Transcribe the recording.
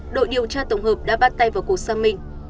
đội điều tra tổng hợp đã bắt tay vào cuộc xác minh